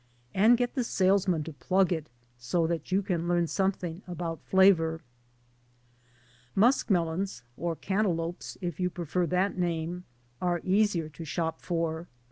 And get the salesman' to plug it so that you can learn something about flavor. skmelons or cantaloupes, if you prefer that name are easier to shop for.